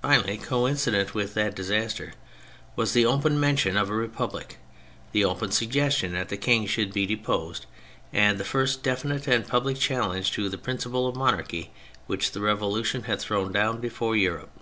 Finally, coincident with that disaster was the open mention of a Republic, the open suggestion that the King should be deposed, and the first definite and public challenge to the principles of monarchy which the Revolution had thrown down before Europe.